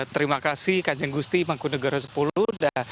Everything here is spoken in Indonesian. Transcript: terima kasih kak jeng gusti mangkunegaraan sepuluh